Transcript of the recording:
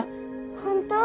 ・本当？